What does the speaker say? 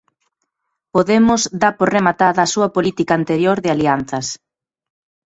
Podemos dá por rematada a súa política anterior de alianzas.